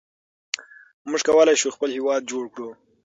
موږ کولای شو خپل هېواد جوړ کړو.